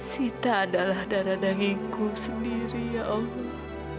sita adalah darah dagingku sendiri ya allah